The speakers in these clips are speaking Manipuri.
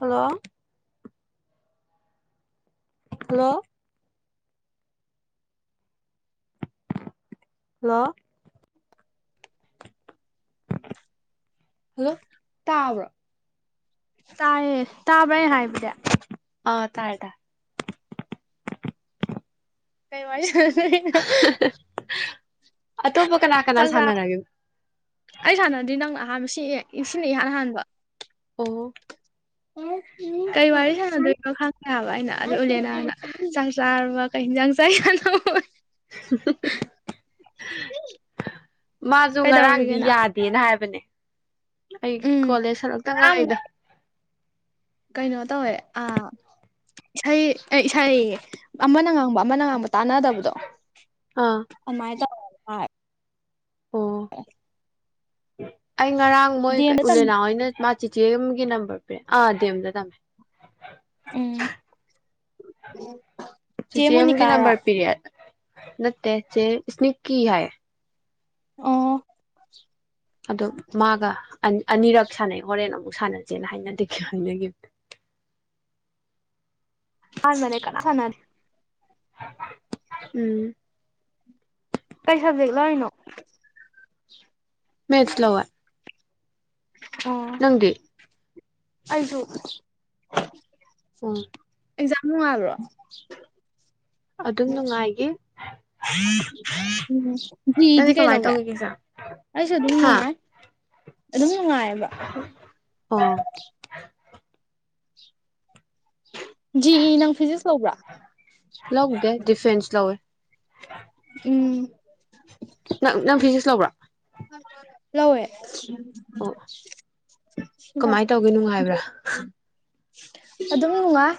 ꯍꯜꯂꯣ ꯍꯜꯂꯣ ꯍꯜꯂꯣ ꯍꯜꯂꯣ ꯇꯥꯕ꯭ꯔꯣ ꯇꯥꯏꯌꯦ ꯇꯥꯕ꯭ꯔꯥ ꯑꯩꯅꯥ ꯍꯥꯏꯕꯗꯤ ꯑ ꯇꯥꯔꯦ ꯇꯥꯔꯦ ꯀꯩ ꯋꯥꯔꯤ ꯁꯅꯗꯨꯏꯅꯣ ꯑꯇꯣꯞꯄ ꯀꯅꯥ ꯀꯅꯥ ꯁꯥꯟꯅꯔꯒꯦ ꯑꯩ ꯁꯥꯟꯅꯗꯗꯤ ꯅꯪꯅ ꯑꯍꯥꯟꯕ ꯁꯤ ꯁꯤꯅ ꯏꯍꯥꯟ ꯍꯥꯟꯕ ꯑꯣ ꯎ ꯎꯝ ꯀꯩ ꯋꯥꯔꯤ ꯁꯥꯟꯅꯗꯣꯏꯅꯣ ꯈꯪꯗꯦ ꯍꯥꯏꯕ ꯑꯩꯅ ꯑꯗ ꯎꯂꯦꯅꯅ ꯆꯥꯛ ꯆꯥꯔ ꯋꯥ ꯀꯩ ꯍꯟꯖꯥꯡ ꯆꯥꯏꯅꯣ ꯃꯥꯁꯨ ꯉꯔꯥꯡꯗꯤ ꯀꯩꯗꯧꯔꯤꯒꯦꯅ ꯌꯥꯗꯦ ꯅ ꯍꯥꯏꯕꯅꯦ ꯑꯩ ꯎꯝ ꯀꯣꯂꯦꯖ ꯍꯂꯛꯇ ꯉꯔꯥꯡꯃꯨꯛ ꯉꯥꯏꯗ ꯀꯩꯅꯣ ꯇꯧꯋꯦ ꯑ ꯏꯁꯩ ꯏꯁꯩ ꯑꯃꯅ ꯉꯥꯡꯕ ꯑꯃꯅ ꯉꯥꯡꯕ ꯇꯥꯟꯅꯗꯕꯗꯣ ꯑꯥ ꯑꯗꯨꯃꯥꯏꯅ ꯇꯧꯏ ꯑꯣ ꯑꯩ ꯉꯔꯥꯡ ꯃꯣꯏ ꯗꯤ ꯀ ꯑꯦꯝꯗ ꯇꯝ ꯎꯂꯦꯅ ꯍꯣꯏꯅ ꯆꯤꯊꯤ ꯑꯃꯒꯤ ꯑꯃꯒꯤ ꯅꯝꯕꯔ ꯄꯦ ꯑꯥ ꯑꯗꯦ ꯑꯝ ꯗꯦꯝ ꯇꯝꯃꯦ ꯎꯝ ꯆꯦ ꯁꯤꯆ ꯑꯦꯝꯒꯤ ꯃꯣꯅꯤꯀꯥꯔꯣ ꯅꯝꯕꯔ ꯄꯤꯔꯤꯠ ꯅꯠꯇꯦ ꯆꯦ ꯏꯁꯅꯤꯛꯀꯤ ꯍꯥꯏ ꯑꯣ ꯑꯗ ꯃꯥꯒ ꯑꯅꯤꯔꯛ ꯁꯥꯟꯅꯩ ꯍꯣꯔꯦꯟ ꯑꯃꯨꯛ ꯁꯥꯟꯅꯁꯦꯅ ꯍꯥꯏꯅꯗꯈꯤꯕꯦ ꯍꯥꯏꯅꯈꯤꯕ ꯑꯥꯟ ꯃꯅꯦ ꯀꯥꯟ ꯎꯝ ꯀꯩ ꯁꯕꯖꯦꯛ ꯂꯧꯔꯤꯅꯣ ꯃꯦꯆꯂꯧꯋꯦ ꯑꯣ ꯅꯪꯗꯤ ꯑꯩꯁꯨ ꯑꯣ ꯑꯦꯖꯥꯨꯜꯣ ꯑꯗꯨꯝ ꯅꯨꯡꯉꯥꯏꯒꯦ ꯎꯝ ꯖꯤꯗꯤ ꯅꯪꯗꯤ ꯀꯩ ꯀꯃꯥꯏꯅ ꯂꯧꯒꯦ ꯇꯧꯒꯒꯦꯁꯦ ꯑꯩꯁꯨ ꯑꯗꯨ [inaudible] ꯑꯗꯨꯝ ꯅꯨꯡꯉꯥꯏꯑꯕ ꯑꯣ ꯖꯤ ꯏ ꯅꯪ ꯐꯤꯖꯤꯛꯁ ꯂꯧꯕ꯭ꯔꯥ ꯂꯧꯎꯗꯦ ꯗꯤꯐꯦꯟꯦꯟꯁ ꯂꯧꯎꯦ ꯎꯝ ꯅꯪ ꯐꯤꯖꯤꯛꯁ ꯂꯧꯕ꯭ꯔꯥ ꯂꯧꯎꯦ ꯑꯣ ꯀꯃꯥꯏꯅ ꯇꯧꯒꯦ ꯅꯨꯡꯉꯥꯏꯕ꯭ꯔꯥ ꯑꯗꯨꯝ ꯅꯨꯡꯉꯥꯏ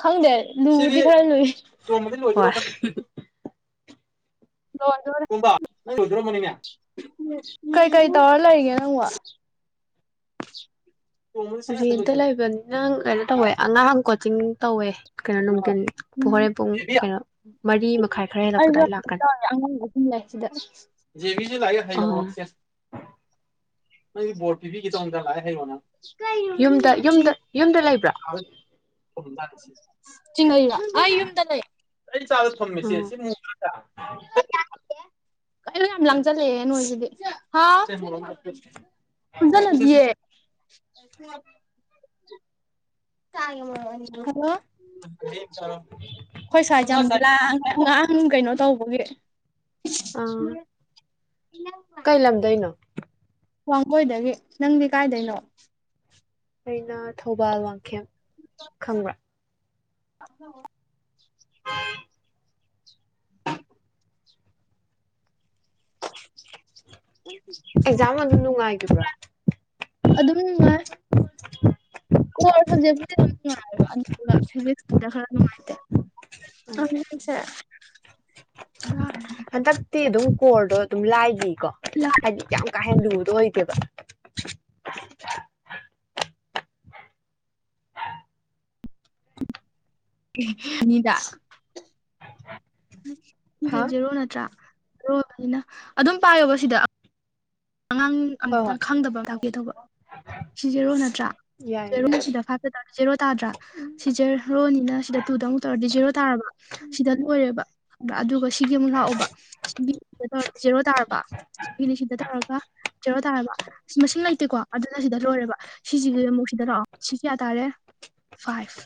ꯈꯪꯗꯦ ꯂꯨꯕꯗꯤ ꯈꯔ ꯂꯨꯏ ꯔꯣꯝꯗꯤꯣꯏꯔꯣ ꯍꯣꯏ ꯅꯪ ꯑꯣꯏꯗ꯭ꯔꯣ ꯃꯅꯤꯡꯒ ꯀꯩ ꯀꯩ ꯇꯧꯔ ꯂꯩꯒꯦ ꯅꯪ ꯋꯥ [inaudible] ꯅꯣꯡꯃꯗ ꯁꯠ ꯍꯦꯛꯇ ꯔꯦꯟꯇ ꯂꯣꯏꯁꯜꯂꯦ ꯂꯩꯕꯅꯤꯅꯪ ꯀꯩꯅꯣ ꯇꯧꯋꯦ ꯑꯉꯥꯡ ꯀꯣꯆꯤꯡ ꯇꯧꯋꯦ ꯀꯩꯅꯣ ꯅꯨꯡꯊꯤꯟ ꯄ ꯍꯣꯔꯦꯟ ꯄꯨꯡ ꯀꯩꯅꯣ ꯃꯔꯤ ꯃꯈꯥꯏ ꯈꯔ ꯑꯩ ꯍꯦꯜꯂꯛꯄ ꯑꯗꯨꯋꯥꯏ ꯂꯥꯛꯀꯅꯤ ꯑꯉ ꯑꯗꯨ ꯁꯤꯗ ꯦ ꯑꯥ ꯂꯥꯛꯑꯦꯦ ꯅꯪꯒꯤ ꯇꯤꯈꯤ ꯆꯗꯉ ꯍꯡꯅ ꯌꯨꯝꯗ ꯌꯨꯝꯗ ꯌꯨꯝꯗ ꯂꯩꯕ꯭ꯔꯥ ꯆꯤꯡ ꯑꯨꯝꯗ ꯂꯩ ꯑꯩ ꯆꯥꯗ ꯊꯝꯃꯦꯁꯦ ꯑꯥ ꯁꯤ ꯀꯩꯅꯣ ꯌꯥꯝ ꯂꯥꯡꯁꯤꯜꯂꯛꯑꯦ ꯅꯣꯏꯁꯤꯗꯤ ꯍꯥ ꯄꯨꯟꯁꯤꯜꯂꯗꯤꯌꯦ ꯍ ꯀꯌꯦꯅꯤꯂꯣ ꯍꯣꯏ ꯁ꯭ꯋꯥꯖ ꯉꯍꯥꯡ ꯀꯩꯅꯣ ꯇꯧꯕꯒꯤ ꯑꯥ ꯏ ꯀꯩ ꯂꯝꯗꯣꯏꯩꯅꯣ ꯋꯥꯡꯒꯣꯏꯗꯒꯤ ꯅꯪꯗꯤ ꯀꯥꯏꯗꯩꯅꯣ ꯑꯩꯅ ꯊꯧꯕꯥꯜ ꯋꯥꯡꯈꯦꯝ ꯈꯪꯕ꯭ꯔꯥ ꯑꯣ ꯑ [inaudible] ꯑꯦꯛꯖꯥꯝ ꯑꯗꯨ ꯅꯨꯡꯉꯥꯏꯈꯤꯕ꯭ꯔꯥ ꯑꯗꯨꯝ ꯀꯔ ꯁꯖꯦꯛꯉꯔ ꯎꯝ ꯈꯔꯅꯨꯡꯉꯥꯏ ꯑꯁꯦ ꯠꯇꯤ ꯑꯗꯨꯝ ꯀꯣꯔꯗꯣ ꯑꯗꯨꯝ ꯂꯥꯏꯒꯤꯀꯣ ꯍꯥꯏꯗꯤ ꯌꯥꯝ ꯀꯥ ꯍꯦꯟꯅ ꯂꯨꯕꯗ ꯑꯣꯏꯗꯦꯕ ꯅꯤꯗꯥ ꯁꯦ ꯍꯥ ꯖꯦꯔꯣ ꯅꯠꯇ꯭ꯔꯥ ꯖꯔꯣꯅꯤꯅ ꯑꯗꯨꯝ ꯄꯥꯏꯌꯣꯕ ꯁꯤꯗ ꯑꯉꯥꯡ ꯍꯣꯏ ꯍꯣꯏ ꯑꯝꯇꯪ ꯈꯪꯗꯕ ꯑꯃ ꯇꯥꯛꯀꯦ ꯇꯧꯕ ꯁꯤ ꯆꯦꯔꯣ ꯅꯠꯇ꯭ꯔꯥ ꯌꯥꯏ ꯌꯥꯏ ꯆꯦꯔꯨꯝꯁꯤꯗ ꯐ ꯖꯦꯣ ꯇꯥꯗ꯭ꯔꯥ ꯁꯤ ꯖꯦꯔꯣꯅꯤꯅ ꯁꯤꯗ ꯇꯨꯗ ꯑꯃꯨꯛ ꯇꯧꯔꯗꯤ ꯖꯦꯔꯣ ꯇꯥꯔꯕ ꯁꯤꯗ ꯂꯔꯦꯕ ꯑꯗꯨꯒ ꯁꯤꯒꯤ ꯑꯃꯨꯛ ꯂꯥꯛꯑꯣꯕ ꯁꯤ ꯇꯥꯔꯕ ꯏꯂꯤ ꯁꯤꯟꯗ ꯇꯧꯔꯒ ꯆꯦꯔꯣ ꯇꯥꯔꯕ ꯃꯁꯤꯡ ꯂꯩꯇꯦꯀꯣ ꯑꯗꯨꯅ ꯁꯤꯗ ꯂꯣꯏꯔꯦꯕ ꯁꯤꯁꯤꯒꯤ ꯑꯃꯨꯛ ꯁꯤꯗ ꯂꯥꯛꯑꯣ ꯁꯤ ꯀꯌꯥ ꯇꯥꯔꯦ ꯐꯥꯏꯚ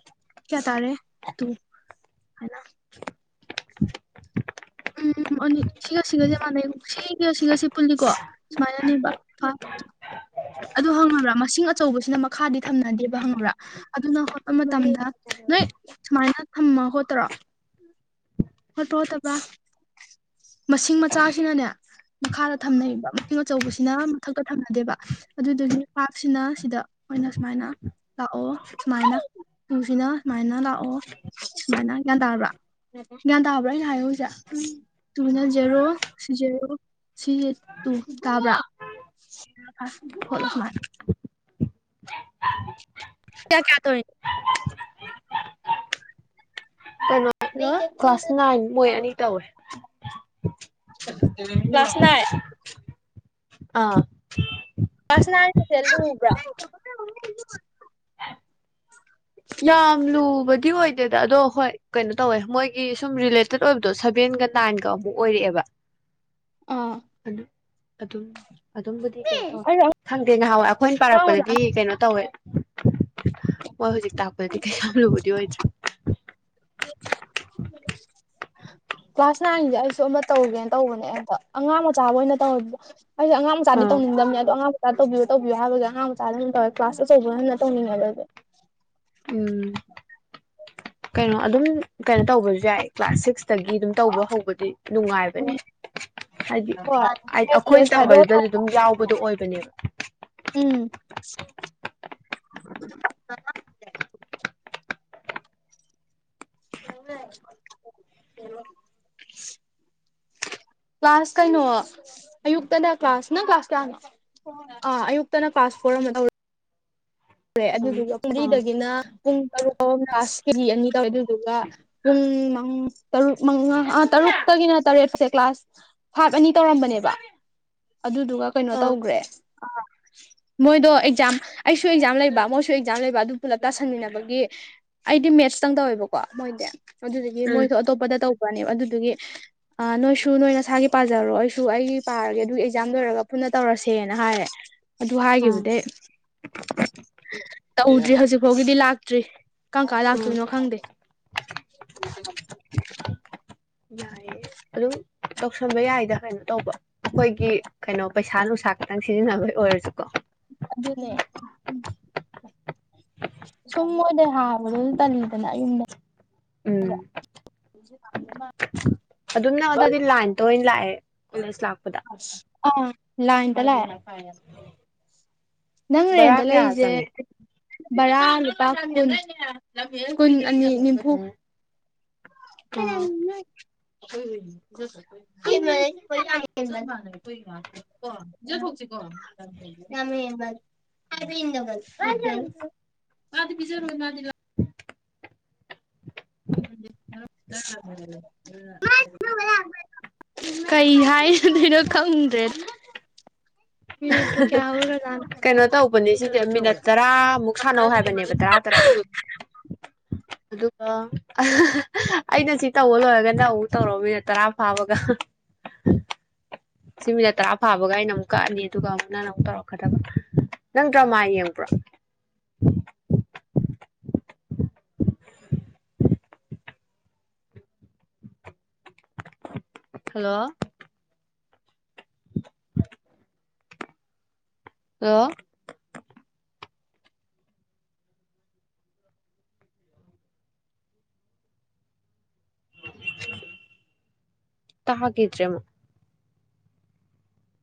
ꯀꯌꯥ ꯇꯥꯔꯦ ꯇꯨ ꯍꯅ ꯎꯝꯅꯤ ꯁꯤꯒ ꯁꯤꯒꯁꯦ ꯃꯥꯟꯅꯩ ꯁꯤꯒꯁꯤꯒꯁꯦ ꯄꯨꯜꯂꯤꯀꯣ ꯁꯨꯃꯥꯏꯅꯅꯦ ꯑꯗꯨ ꯍꯪꯉꯕ꯭ꯔꯥ ꯃꯁꯤꯡ ꯑꯆꯧꯕꯁꯤꯅ ꯃꯈꯥꯗꯤ ꯊꯝꯅꯗꯦꯕ ꯍꯪꯉꯕ꯭ꯔꯥ ꯑꯗꯨꯅ ꯍꯣꯠꯄ ꯃꯇꯝꯗ ꯅꯣꯏ ꯁꯨꯃꯥꯏꯅ ꯊꯝꯃ ꯈꯣꯠꯇ꯭ꯔꯣ ꯍꯣꯠꯄ꯭ꯔꯥ ꯍꯣꯠꯇꯕ꯭ꯔꯥ ꯃꯁꯤꯡ ꯃꯆꯥꯁꯤꯅꯅꯦ ꯃꯈꯥꯗ ꯊꯝꯅꯩꯕ ꯃꯇꯤ ꯑꯆꯧꯕꯁꯤꯅ ꯃꯊꯛꯇ ꯊꯝꯅꯗꯦꯕ ꯑꯗꯨꯗꯨꯒꯤ ꯄꯥꯞꯁꯤꯅ ꯁꯤꯗ ꯑꯩꯈꯣꯏꯅ ꯁꯨꯃꯥꯏꯅ ꯂꯥꯛꯑꯣ ꯁꯨꯃꯥꯏꯅ ꯇꯨꯁꯤꯅ ꯁꯨꯃꯥꯏꯅ ꯂꯥꯛꯑꯣ ꯁꯨꯃꯥꯏꯅ ꯒ꯭ꯌꯥꯟ ꯇꯥꯔꯕ꯭ꯔꯥ ꯒ꯭ꯌꯥꯟ ꯇꯥꯕ꯭ꯔꯥ ꯑꯩꯅ ꯍꯥꯏꯌꯣ ꯍꯧꯖꯤꯁꯦ ꯎ ꯇꯨꯅꯟꯖꯦꯔꯣ ꯁꯤꯨꯖꯦꯔꯣ ꯁꯤ ꯇꯨ ꯇꯕ꯭ꯔꯥ ꯍꯂ ꯁꯃꯥꯏ ꯌꯥ ꯀꯌꯥ ꯇꯣꯏ ꯀꯩꯅꯣ ꯀ꯭ꯂꯥꯁ ꯅꯥꯏꯟ ꯃꯣꯏ ꯑꯅꯤ ꯇꯧꯋꯦ ꯁꯅꯥꯏ ꯑꯥ ꯐꯁꯅ ꯍꯥꯏꯕ꯭ꯔ ꯌꯥꯝ ꯂꯨꯕꯗꯤ ꯑꯣꯏꯗꯦꯗ ꯑꯗꯣ ꯍꯣꯏ ꯀꯩꯅꯣ ꯇꯧꯋꯦ ꯃꯣꯏꯒꯤ ꯁꯨꯝ ꯦ ꯠ ꯑꯣꯏꯕꯗꯣ ꯁꯚꯦꯟꯒ ꯅꯥꯏꯟꯒ ꯑꯃꯨꯛ ꯑꯣꯏꯔꯛꯑꯦꯕ ꯑꯩ ꯑꯗꯨ ꯑꯗꯨꯝ ꯑꯗꯨꯝꯕꯨꯗꯤ ꯀꯩꯅꯣ ꯇꯧꯋꯦ ꯑꯉꯥꯡ ꯈꯪꯗꯦ ꯉꯍꯥꯟꯋꯥꯏ ꯑꯩꯈꯣꯏꯅ ꯃꯆꯥ ꯄꯥꯔꯛꯄꯗꯗꯤ ꯀꯩꯅꯣ ꯇꯧꯋꯦ ꯍꯣꯏ ꯍꯧꯖꯤꯛ ꯇꯥꯛꯄꯗꯗꯤ ꯀꯩ ꯌꯥꯝ ꯂꯨꯕꯗꯤ ꯑꯣꯏꯗ꯭ꯔꯦ [unintelligible] ꯀ꯭ꯂꯥꯁ ꯅꯥꯏꯟꯁꯦ ꯑꯩꯁꯨ ꯑꯃ ꯇꯧꯒꯦꯅ ꯇꯧꯕꯅꯦ ꯑꯝꯇ ꯑꯉꯥꯡ ꯃꯆꯥꯕ ꯑꯣꯏꯅ ꯇꯧ ꯑꯩꯁꯦ ꯑꯉꯥꯡ ꯃꯆꯥꯗꯤ ꯑꯥ ꯇꯅꯤꯡꯕꯅꯤ ꯑꯗꯣ ꯑꯉꯥꯡ ꯆꯥꯛ ꯇꯧꯕꯤꯌꯨ ꯇꯧꯕꯤꯌꯨ ꯍꯥꯏꯕꯒꯤ ꯑꯉꯥꯡ ꯃꯆꯥꯗ ꯑꯗꯨꯝ ꯇꯧꯋꯦ ꯀ꯭ꯂꯥꯁ ꯑꯆꯧꯕ ꯍꯟꯅ ꯇꯧꯅꯤꯡꯉꯕ ꯑꯗꯨꯗꯤ ꯎꯝ ꯀꯩꯅꯣ ꯑꯗꯨꯝ ꯀꯩꯅꯣ ꯇꯧꯕꯁꯨ ꯌꯥꯏ ꯀ꯭ꯂꯥꯁ ꯁꯤꯛꯁꯇꯒꯤ ꯑꯗꯨꯝ ꯇꯧꯕ ꯍꯧꯕꯗꯤ ꯅꯨꯡꯉꯥꯏꯕꯅꯦ ꯍꯥꯏꯗꯤ ꯍꯣꯏ ꯍꯥꯏꯗꯤ ꯕꯦꯁ ꯑꯩꯈꯣꯏꯅ ꯕꯦꯁ ꯈꯥꯏꯗꯣꯛꯑ ꯇꯝꯕꯗꯨꯗꯁꯨ ꯑꯗꯨꯝ ꯌꯥꯎꯕꯗꯣ ꯑꯣꯏꯕꯅꯦꯕ ꯎꯝ [unintelligible] ꯀ꯭ꯂꯥꯁ ꯀꯩꯅꯣ ꯑꯌꯨꯛꯇꯗ ꯀ꯭ꯂꯥꯁ ꯅꯪ ꯀ꯭ꯂꯥꯁ ꯀꯌꯥꯅ ꯑ ꯑꯌꯨꯛꯇꯅ ꯄꯥꯁꯄꯣꯔꯠ ꯑꯃ ꯇ ꯑꯗꯨꯗꯨ ꯑꯥ ꯑꯥ ꯃꯔꯤꯗꯒꯤꯅ ꯄꯨꯡ ꯇꯔꯨꯛ ꯂꯥꯁ ꯀꯦꯖꯤ ꯑꯅꯤ ꯀꯧꯋꯦ ꯑꯗꯨꯗꯨꯒ ꯄꯨꯡ ꯃ ꯇꯔꯨꯛ ꯃꯉꯥꯥ ꯇꯔꯨꯛꯇꯒꯤꯅ ꯇꯔꯦꯠꯁꯦ ꯀ꯭ꯂꯥꯁ ꯐꯥꯥꯛ ꯑꯅꯤ ꯇꯧꯔꯝꯕꯅꯦꯕ ꯑꯗꯨꯗꯨꯒ ꯀꯩꯅꯣ ꯑꯥ ꯇꯧꯒ꯭ꯔꯦ ꯑ ꯃꯣꯏꯗꯣ ꯑꯦꯛꯖꯥꯝ ꯑꯩ ꯑꯦꯛꯖꯥꯝ ꯂꯩꯕ ꯃꯣꯏꯁꯨ ꯑꯦꯛꯖꯥꯝ ꯂꯩꯕ ꯑꯗꯨ ꯄꯨꯂꯞ ꯇꯥꯁꯟꯃꯤꯟꯅꯕꯒꯤ ꯑꯩꯗꯤ ꯃꯦꯠꯁꯇꯪ ꯇꯧꯋꯦꯕꯀꯣ ꯃꯣꯏꯗꯤ ꯑꯗꯨꯗꯨꯒꯤ ꯎꯝ ꯃꯣꯏꯗꯨ ꯑꯇꯣꯞꯄꯗ ꯇꯧꯕꯔꯅꯦꯕ ꯑꯗꯨꯗꯨꯒꯤ ꯑ ꯅꯣꯏꯁꯨ ꯅꯣꯏ ꯅꯁꯥꯒꯤ ꯄꯥꯖꯔꯣ ꯑꯩꯁꯨ ꯑꯩꯒꯤ ꯄꯥꯔꯒꯦ ꯑꯗꯨ ꯑꯦꯛꯖꯥꯝ ꯂꯣꯏꯔꯒ ꯄꯨꯟꯅ ꯇꯧꯔꯁꯦꯅ ꯍꯥꯏꯔꯦ ꯑꯗꯨ ꯑꯥ ꯍꯥꯏꯒꯤꯕꯗꯩꯩ ꯇꯧꯎꯗ꯭ꯔꯤ ꯍꯧꯖꯤꯛ ꯐꯥꯎꯒꯤꯗꯤ ꯂꯥꯛꯇ꯭ꯔꯤ ꯀꯪ ꯀꯥ ꯎꯝ ꯂꯥꯛꯇꯣꯏꯅꯣ ꯈꯪꯗꯦ ꯌꯥꯏꯌꯦ ꯑꯗꯨꯝ ꯇꯧꯁꯟꯕ ꯌꯥꯏꯗ ꯀꯩꯅꯣ ꯇꯧꯕ ꯑꯩꯈꯣꯏꯒꯤ ꯀꯩꯅꯣ ꯄꯩꯁꯥ ꯅꯨꯡꯁꯥ ꯈꯇꯪ ꯁꯤꯖꯤꯟꯅꯕꯩ ꯑꯣꯏꯔꯁꯨꯀꯣ ꯑꯗꯨꯅꯦ ꯁꯨꯝ ꯃꯣꯏꯗꯩ ꯍꯥꯕꯗꯣ ꯇꯜꯂꯤꯗꯅ ꯑꯌꯨꯝꯗ [inaudible] ꯎꯝ ꯑꯗꯨꯝꯅ ꯑꯗꯨꯗꯤ ꯂꯥꯏꯟꯗ ꯑꯣꯏꯅ ꯂꯥꯛꯑꯦ ꯀꯣꯂꯦꯖ ꯂꯥꯛꯄꯗ ꯑꯥ ꯂꯥꯏꯟꯗ ꯂꯛꯑ ꯅꯪ ꯕꯔꯥ ꯔꯦꯟꯗ ꯀꯌꯥ ꯂꯩꯔꯤꯁꯦ ꯆꯪꯉꯦ ꯕꯔꯥ ꯂꯨꯄꯥ [unintelligible] [unintelligible] ꯀꯨꯟ ꯑꯅꯤ ꯅꯤꯐꯨ ꯎꯝ ꯑꯣ [unintelligible] [unintelligible] [unintelligible] [unintelligible] [unintelligible] ꯀꯩ ꯍꯥꯏꯔꯗꯣꯏꯅꯣ ꯈꯪꯗ꯭ꯔꯦ [inaudible] ꯃꯤꯅꯤꯠꯄꯨ ꯀꯌꯥ [unintelligible] ꯍꯧꯔꯖꯥꯠꯅꯣ ꯀꯩꯅꯣ ꯇꯧꯕꯅꯤ ꯁꯤꯗꯤ ꯃꯤꯅꯠ ꯇꯔꯥꯃꯨꯛ ꯁꯥꯟꯅꯧ ꯍꯥꯏꯕꯅꯦꯕ ꯇꯔꯥ ꯇꯔꯥ ꯑꯗꯨꯒ [unintelligible] ꯑꯩꯅ ꯁꯤ ꯇꯧꯕ ꯂꯣꯏꯔꯒ ꯅꯪ ꯇꯧ [unintelligible] ꯇꯔꯥ ꯐꯥꯕꯒ ꯁꯤ ꯃꯤꯅꯠ ꯇꯔꯥ ꯐꯥꯕꯒ ꯑꯩꯅ ꯑꯃꯨꯛ ꯀꯛꯑꯅꯤ ꯑꯗꯨꯒ ꯑꯃꯨꯛ ꯅꯪꯟꯅ ꯑꯃꯨꯛ ꯇꯧꯔꯛꯀꯗꯕ ꯅꯪ ꯗꯔ꯭ꯃꯥ ꯌꯦꯡꯕ꯭ꯔꯣ ꯍꯜꯂꯣ ꯍꯂꯣ ꯇꯒꯤꯗ꯭ꯔꯦ [unintelligible]